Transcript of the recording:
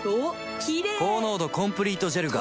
キレイ高濃度コンプリートジェルが